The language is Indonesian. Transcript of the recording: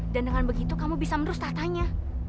dan dengan begitu kamu bisa menerus tahtanya